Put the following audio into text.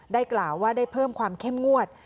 กล่าวว่าได้เพิ่มความเข้มงวด